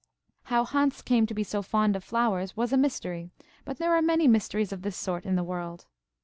How Hans came to be so fond of flowers was a mystery; but there are many mysteries of this sort in the world.